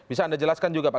bisa anda jelaskan juga pak